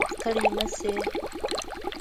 ستړي مه شئ